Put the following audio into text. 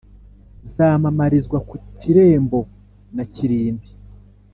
Zamamarizwa ku Kirembo na Kirimbi